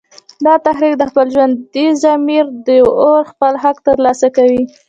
دا تحریک د خپل ژوندي ضمیر د اوره خپل حق تر لاسه کوي